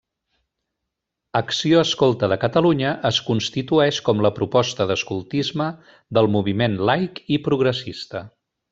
Acció Escolta de Catalunya es constitueix com la proposta d'escoltisme del Moviment Laic i Progressista.